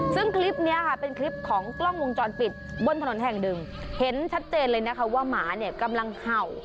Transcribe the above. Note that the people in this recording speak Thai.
ซึ่งคลิปนี้ค่ะเป็นคลิปของกล้องวงจรปิดบนถนนแห่งหนึ่งเห็นชัดเจนเลยนะคะว่าหมาเนี่ยกำลังเห่า